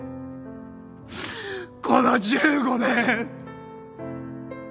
この１５年。